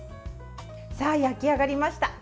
さあ、焼き上がりました。